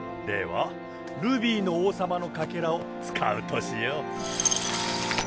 ではルビーの王さまのカケラを使うとしよう。